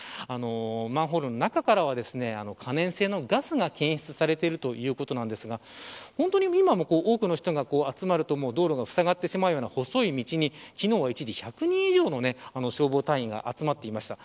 マンホールの中からは可燃性のガスが検出されているということですが今も多くの人が集まると道路がふさがってしまうような細い道に、昨日は一時１００人以上の消防隊員が集まっていました。